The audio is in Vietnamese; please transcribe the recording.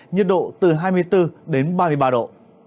nhiệt độ từ hai mươi bốn đến ba mươi ba độ